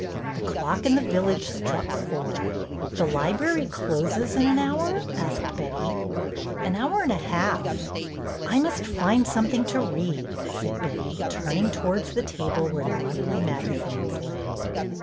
The clock in the village struck four. The library closes in an hour? " asked Betty. An hour and a half." I must find something to read," said Betty, turning towards the table where the monthly magazines lay.